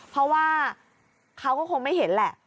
เพราะว่าเขาก็คงไม่เห็นแหละ